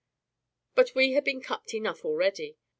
But we had been cupped enough already.